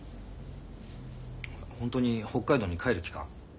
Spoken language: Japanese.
ホントに北海道に帰る気か？